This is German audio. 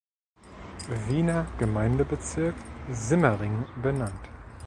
Wiener Gemeindebezirk Simmering benannt.